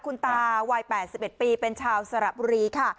คุณตาวัย๘๑ปีเป็นชาวสระบุรีค่ะ